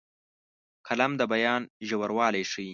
قلم د بیان ژوروالی ښيي